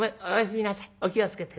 お気を付けて。